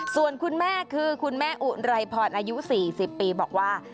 ส่วนคุณแม่คือคุณแม่อุไรพรอายุ๔๐ปีบอกว่า